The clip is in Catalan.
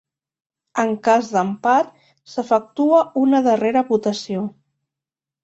En cas d'empat s'efectua una darrera votació.